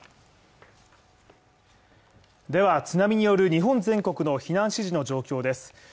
では津波による日本全国の避難指示の状況です。